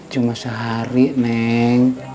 cuma sehari neng